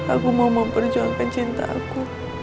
aku mau memperjuangkan cinta aku